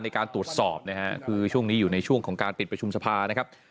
ในการตรวจสอบนะฮะคือช่วงนี้อยู่ในช่วงของการปิดประชุมสภานะครับ